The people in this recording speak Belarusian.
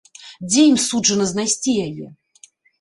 Дзе ім суджана знайсці яе?